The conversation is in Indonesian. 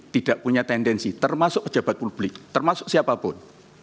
tidak punya tendensi termasuk pejabat publik termasuk siapapun